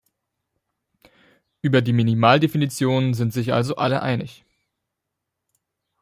Über die Minimaldefinition sind sich also alle einig.